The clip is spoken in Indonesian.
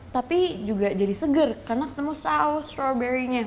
tapi juga jadi seger karena ketemu saus strawberry nya